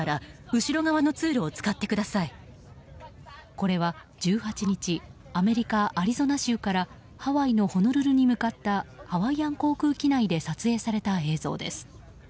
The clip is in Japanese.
これは１８日アメリカ・アリゾナ州からハワイのホノルルに向かったハワイアン航空機内で撮影された映像です。